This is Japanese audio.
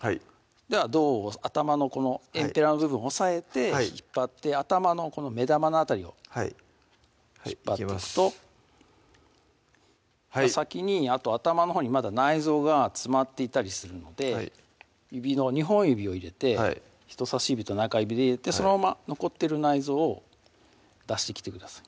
はいでは胴を頭のえんぺらの部分を押さえて引っ張って頭のこの目玉の辺りを引っ張っていくと頭のほうにまだ内臓が詰まっていたりするので２本指を入れて人さし指と中指で入れてそのまま残ってる内臓を出してきてください